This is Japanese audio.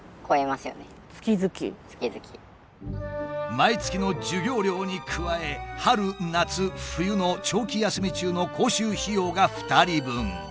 毎月の授業料に加え春夏冬の長期休み中の講習費用が２人分。